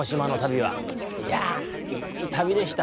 「いやぁいい旅でした」。